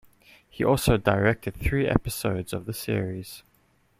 He also directed three episodes of the series.